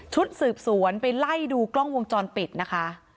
ชุดสืบสวนไปไล่ดูกล้องวงจรปิดนะคะ